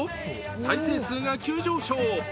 再生数が急上昇。